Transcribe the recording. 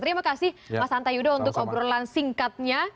terima kasih mas anta yudho untuk obrolan singkatnya